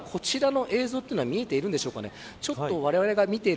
今、こちらの映像は見えているんでしょうか。